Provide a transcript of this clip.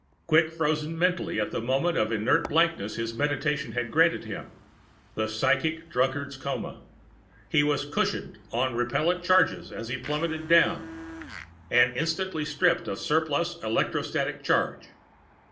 Quick frozen mentally at the moment of inert blankness his Meditation had granted him the psychic drunkard's coma he was cushioned on repellent charges as he plummeted down, and instantly stripped of surplus electrostatic charge.